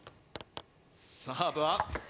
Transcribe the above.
サーブは。